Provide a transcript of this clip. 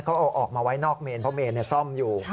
ก็ออกมาไว้นอกเมนเพราะเมนเนี่ยซ่อมอยู่